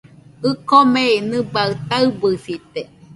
ɨkomei, nɨbaɨ taɨbɨsite.